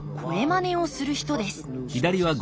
まねをする人です